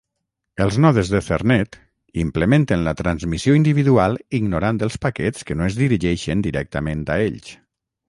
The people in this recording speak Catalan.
Els nodes d'Ethernet implementen la transmissió individual ignorant els paquets que no es dirigeixen directament a ells.